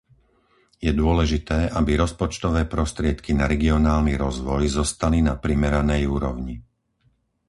Je dôležité, aby rozpočtové prostriedky na regionálny rozvoj zostali na primeranej úrovni.